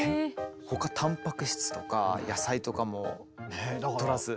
他たんぱく質とか野菜とかもとらず。